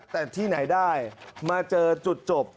แต่ที่ไหนได้มาเจอจุดจบ